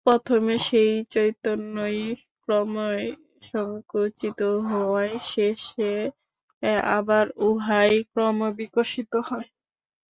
প্রথমে সেই চৈতন্যই ক্রমসঙ্কুচিত হয়, শেষে আবার উহাই ক্রমবিকশিত হয়।